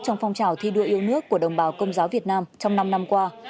trong phong trào thi đua yêu nước của đồng bào công giáo việt nam trong năm năm qua